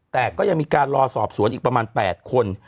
แต่ก็ยังมีการรอสอบสวนอีกประมาณ๘คน